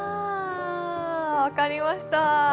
ああ、分かりました。